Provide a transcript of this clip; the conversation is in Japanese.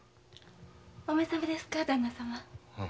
お目覚めですか旦那様？